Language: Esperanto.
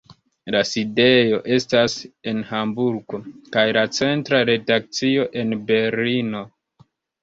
La sidejo estas en Hamburgo, kaj la centra redakcio en Berlino.